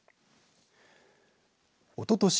おととし